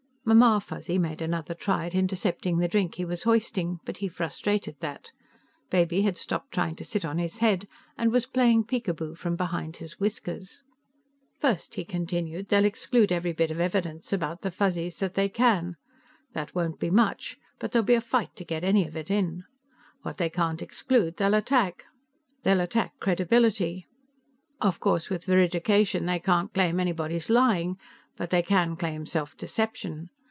Mamma Fuzzy made another try at intercepting the drink he was hoisting, but he frustrated that. Baby had stopped trying to sit on his head, and was playing peek a boo from behind his whiskers. "First," he continued, "they'll exclude every bit of evidence about the Fuzzies that they can. That won't be much, but there'll be a fight to get any of it in. What they can't exclude, they'll attack. They'll attack credibility. Of course, with veridication, they can't claim anybody's lying, but they can claim self deception.